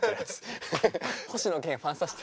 星野源ファンサして。